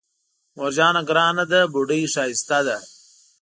مور جانه ګرانه ده بوډۍ ښايسته ده